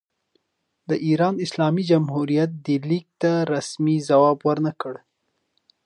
د ایران اسلامي جمهوریت دې لیک ته رسمي ځواب ور نه کړ.